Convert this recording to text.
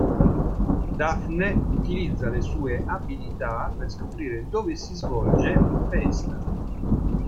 Daphne utilizza le sue abilità per scoprire dove si svolge una festa.